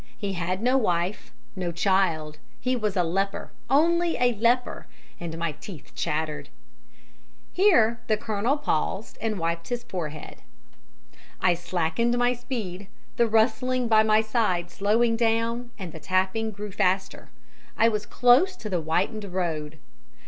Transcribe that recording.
He had no wife, no child; he was a leper, only a leper and my teeth chattered. "Here the Colonel paused and wiped his forehead. "I slackened my speed, the rustling by my side slowing down, and the tapping grew faster. I was close to the whitened road.